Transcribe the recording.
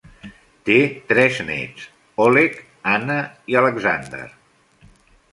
Té tres néts: Oleg, Anna i Alexander.